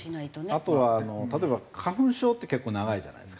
あとは例えば花粉症って結構長いじゃないですか。